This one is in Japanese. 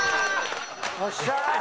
よっしゃ！